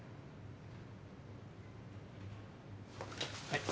はい。